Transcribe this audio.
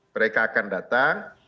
mereka akan datang